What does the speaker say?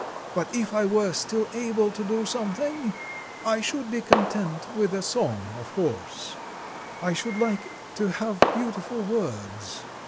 But if I were still able to do something, I should be content with a song; of course, I should like to have beautiful words..."